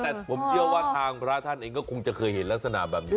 แต่ผมเชื่อว่าทางพระท่านเองก็คงจะเคยเห็นลักษณะแบบนี้